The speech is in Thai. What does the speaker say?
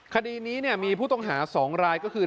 คดีนี้มีผู้ต้องหา๒รายก็คือ